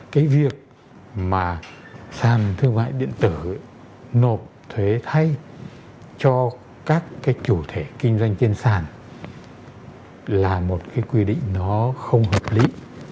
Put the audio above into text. cái việc mà sàn thương mại điện tử nộp thuế thay cho các chủ thể kinh doanh trên sàn là một quy định không hợp lý